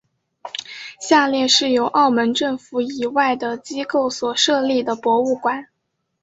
下列是由澳门政府以外的机构所设立的博物馆。